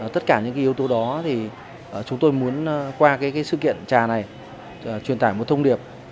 tất cả những yếu tố đó chúng tôi muốn qua sự kiện trà này truyền tải một thông điệp